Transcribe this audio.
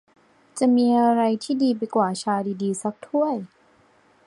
จะมีอะไรที่ดีไปกว่า ชาดี ๆ สักถ้วย ?